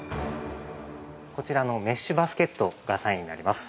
◆こちらのメッシュバスケットが３位になります。